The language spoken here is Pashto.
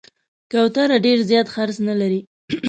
کوتره ډېر زیات خرڅ نه لري.